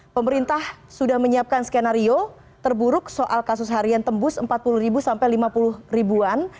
pemerintah sudah menyiapkan skenario terburuk soal kasus harian tembus empat puluh sampai lima puluh ribuan